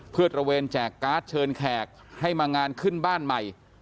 เพื่อตระเวนแจกการ์ดเชิญแขกให้มางานขึ้นบ้านใหม่